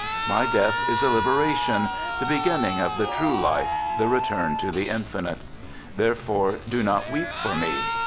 My death is a liberation, the beginning of the true life, the return to the Infinite. There fore, do not weep for me.